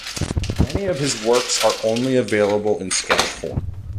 Many of his works are only available in sketch form.